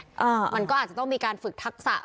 อ่ามันก็อาจจะต้องมีการฝึกทักษะ